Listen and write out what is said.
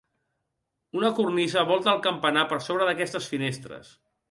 Una cornisa volta el campanar per sobre d'aquestes finestres.